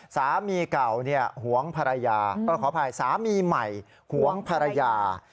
สามีเก่าหวงภรรยาขออภัยสามีใหม่หวงภรรยา